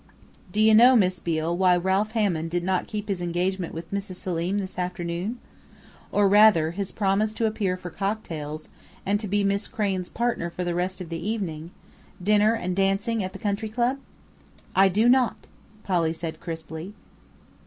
"Do you know, Miss Beale, why Ralph Hammond did not keep his engagement with Mrs. Selim this afternoon? Or rather, his promise to appear for cocktails and to be Miss Crain's partner for the rest of the evening dinner and dancing at the Country Club?" "I do not!" Polly said crisply.